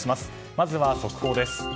まずは速報です。